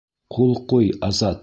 Ҡул ҡуй, Азат.